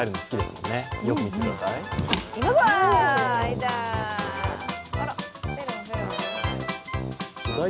よく見ててください。